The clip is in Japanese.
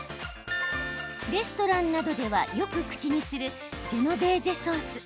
レストランなどではよく口にするジェノベーゼソース。